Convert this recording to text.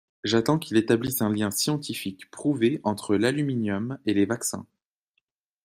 J’attends qu’il établisse un lien scientifique prouvé entre l’aluminium et les vaccins.